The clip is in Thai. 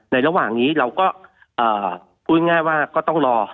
ระหว่างนี้เราก็พูดง่ายว่าก็ต้องรอ